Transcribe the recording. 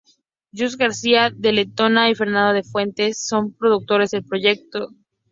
Jose C García de Letona y Fernando de Fuentes S. son productores del proyecto.